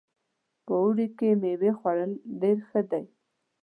په اوړي کې میوې خوړل ډېر ښه ده